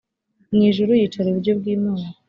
mu ijuru yicara iburyo bw imana